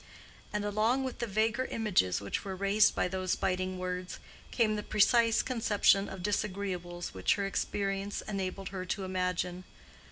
And along with the vaguer images which were raised by those biting words, came the precise conception of disagreeables which her experience enabled her to imagine.